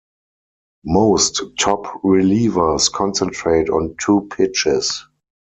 Most top relievers concentrate on two pitches.